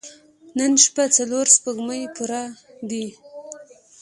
نن شپه څلور سپوږمۍ پوره دي.